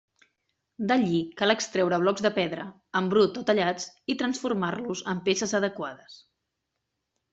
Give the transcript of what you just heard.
D’allí cal extreure blocs de pedra, en brut o tallats, i transformar-los en peces adequades.